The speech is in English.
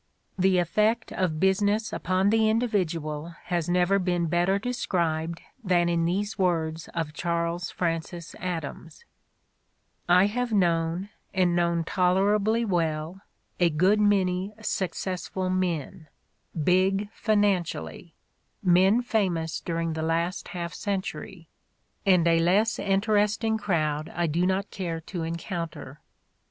The effect of busi ness upon the individual has never been better described than in these words of Charles Francis Adams: "I have known, and known tolerably well, a good many 'successful' men — 'big' financially — men famous during the last half century; and a less interesting crowd I do not care to encounter.